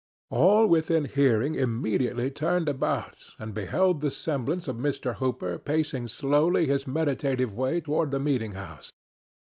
All within hearing immediately turned about and beheld the semblance of Mr. Hooper pacing slowly his meditative way toward the meeting house.